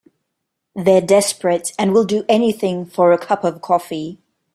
They're desperate and will do anything for a cup of coffee.